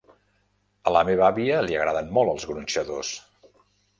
A la meva àvia li agraden molt els gronxadors.